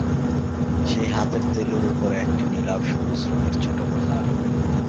সেই হাতের তেলোর উপরে একটি নীলাভ সবুজ রঙের ছোটো পাহাড়।